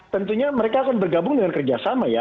tentunya mereka akan bergabung dengan kerjasama ya